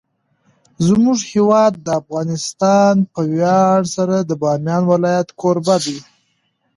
زموږ هیواد افغانستان په ویاړ سره د بامیان ولایت کوربه دی.